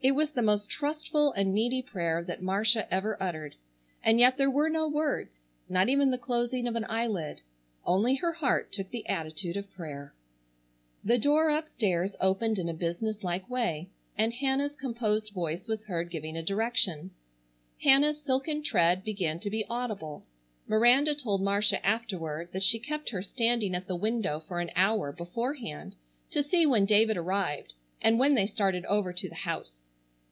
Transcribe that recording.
It was the most trustful, and needy prayer that Marcia ever uttered and yet there were no words, not even the closing of an eyelid. Only her heart took the attitude of prayer. The door upstairs opened in a business like way, and Hannah's composed voice was heard giving a direction. Hannah's silken tread began to be audible. Miranda told Marcia afterward that she kept her standing at the window for an hour beforehand to see when David arrived, and when they started over to the house.